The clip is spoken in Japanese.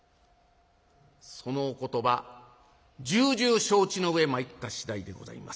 「そのお言葉重々承知の上参った次第でございます。